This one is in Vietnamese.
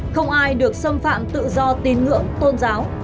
không ai được xâm phạm tự do tín ngưỡng tôn giáo